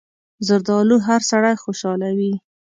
زردالو هر سړی خوشحالوي.